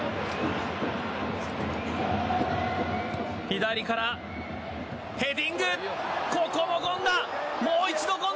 左からヘディング。